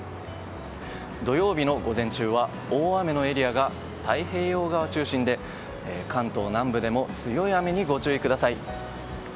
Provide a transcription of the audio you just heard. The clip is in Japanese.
土曜日の午前中大雨のエリアは太平洋側が中心で関東南部でも強い雨にご注意ください。